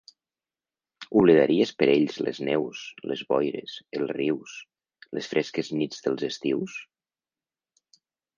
Oblidaries per ells les neus, les boires, els rius, les fresques nits dels estius?